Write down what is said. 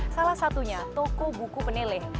salah satunya toko buku peneleh